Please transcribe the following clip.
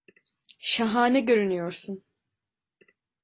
Şahane görünüyorsun.